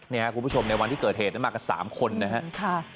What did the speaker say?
เนี่ยครับคุณผู้ชมในวันที่เกิดเหตุนั้นมากกันสามคนนะฮะขอบคุณค่ะ